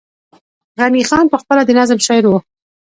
غني خان پخپله د نظم شاعر وو